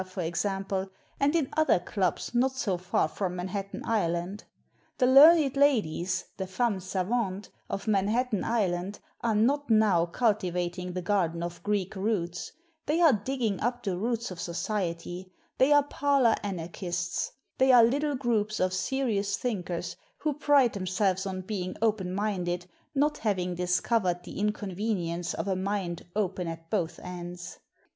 for example, and in other clubs, not so far from Manhattan Island. The Learned Ladies, the 'Femmes Savantes' of Manhattan Island are not now cultivating the garden of Greek roots; they are digging up the roots of society; they are parlor anarchists; they are Little Groups of Seri ous Thinkers, who pride themselves on being open minded, not having discovered the incon venience of a mind open at both ends.